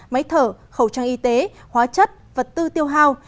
máy thở khẩu trang y tế hóa chất vật tư tiêu hao